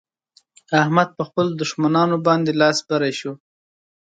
احمد په خپلو دښمانانو باندې لاس بری شو.